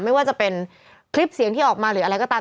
ไม่ว่าจะเป็นคลิปเสียงที่ออกมาหรืออะไรก็ตาม